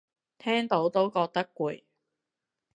聽到都覺得攰